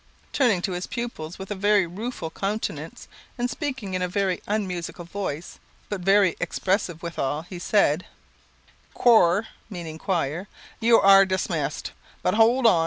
Turning to his pupils, with a very rueful countenance, and speaking in a very unmusical voice, but very expressive withal, he said "Chore (meaning choir), you are dimissed. But, hold on!